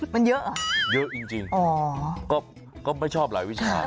มันเยอะเหรอเยอะจริงก็ไม่ชอบหลายวิชา